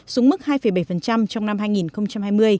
xuống mức hai bảy trong năm nay